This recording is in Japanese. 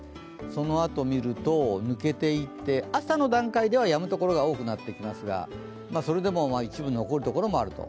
そのあと見ると、抜けていって、朝の段階ではやむところが多くなってきますが、それでも一部残るところもあると。